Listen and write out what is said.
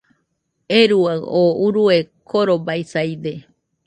¡Euruaɨ! oo urue korobaisaide